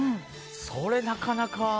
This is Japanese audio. それ、なかなか。